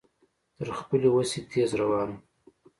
تر خپلې وسې تېز روان و.